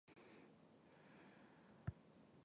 我们搬出去吧